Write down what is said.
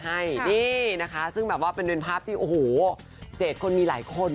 ใช่นี่นะคะซึ่งแบบว่าเป็นภาพที่โอ้โหเจดคนมีหลายคน